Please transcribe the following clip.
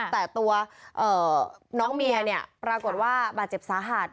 แต่ตัวน้องเมียเนี่ยปรากฏว่าบาดเจ็บสาหัส